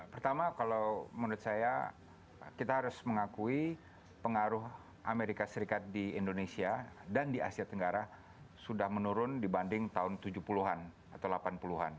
pertama kalau menurut saya kita harus mengakui pengaruh amerika serikat di indonesia dan di asia tenggara sudah menurun dibanding tahun tujuh puluh an atau delapan puluh an